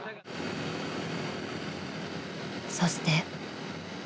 ［そして］